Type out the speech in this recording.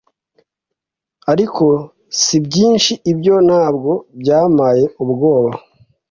Ariko si byinshi ibyo ntabwo byampaye ubwoba